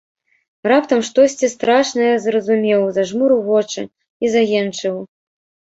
Раптам штосьці страшнае зразумеў, зажмурыў вочы і заенчыў.